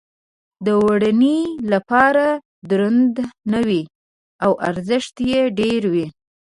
د وړنې لپاره درانده نه وي او ارزښت یې ډېر وي.